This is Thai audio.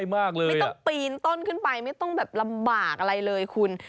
ไม่ต้องปีนต้นขึ้นไปไม่ต้องแบบลำบากอะไรเลยคุณ